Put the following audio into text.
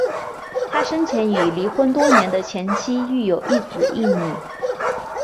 他生前与离婚多年的前妻育有一子一女。